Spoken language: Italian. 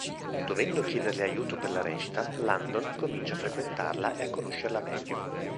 Dovendo chiederle aiuto per la recita, Landon comincia a frequentarla e a conoscerla meglio.